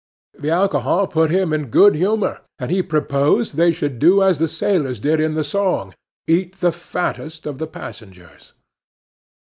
The alcohol put him in good humor, and he proposed they should do as the sailors did in the song: eat the fattest of the passengers.